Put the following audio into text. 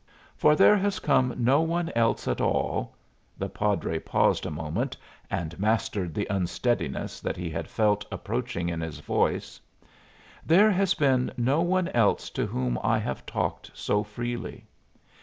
For there has come no one else at all" the padre paused a moment and mastered the unsteadiness that he had felt approaching in his voice "there has been no one else to whom I have talked so freely.